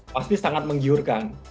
pasti sangat menggiurkan